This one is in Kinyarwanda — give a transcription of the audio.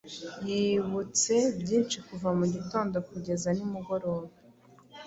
Yibutse byinshi Kuva mu gitondo kugeza nimugoroba